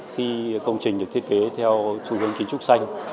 khi công trình được thiết kế theo xu hướng kiến trúc xanh